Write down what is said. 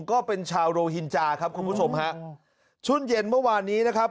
ก็เป็นชาวโรฮินจาครับคุณผู้ชมฮะช่วงเย็นเมื่อวานนี้นะครับ